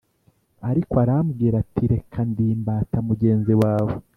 ariko arambwira ati “Reka! Ndi imbata mugenzi wawe,